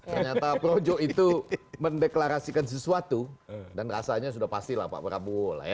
ternyata projo itu mendeklarasikan sesuatu dan rasanya sudah pasti lah pak prabowo lah ya